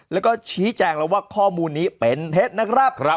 แล้วก็ชี้แจงแล้วว่าข้อมูลนี้เป็นเท็จนะครับ